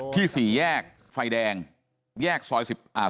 ที่สีแยกไฟแดงแยกซอย๑๓